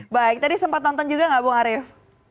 baik tadi sempat nonton juga nggak bung arief